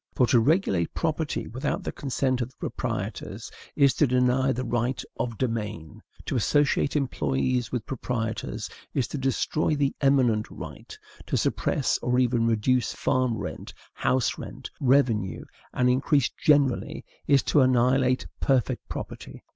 For to regulate property without the consent of the proprietors is to deny the right OF DOMAIN; to associate employees with proprietors is to destroy the EMINENT right; to suppress or even reduce farm rent, house rent, revenue, and increase generally, is to annihilate PERFECT property.